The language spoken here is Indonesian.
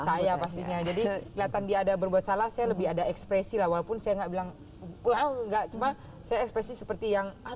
saya pastinya jadi kelihatan dia ada berbuat salah saya lebih ada ekspresi lah walaupun saya nggak bilang wow enggak cuma saya ekspresi seperti yang